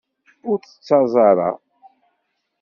Ur d-ttaẓ ara.